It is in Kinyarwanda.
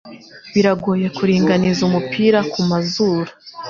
Biragoye kuringaniza umupira kumazuru.